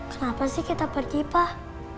kenapa sih kita pergi pak